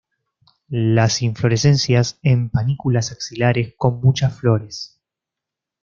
Las inflorescencias en panículas axilares, con muchas flores.